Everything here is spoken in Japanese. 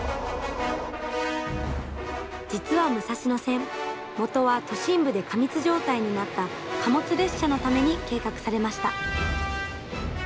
実は武蔵野線もとは都心部で過密状態になった貨物列車のために計画されました。